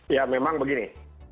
ya memang begini